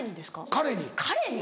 彼に？